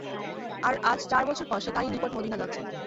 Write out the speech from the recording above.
আর আজ চার বছর পর সে তাঁরই নিকট মদীনা যাচ্ছে।